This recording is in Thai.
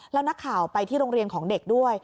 แล้วนักข่าวไปที่โรงเรียนของเด็กด้วย